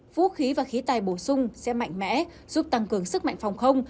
vũ khí và khí tài bổ sung sẽ mạnh mẽ giúp tăng cường sức mạnh phòng không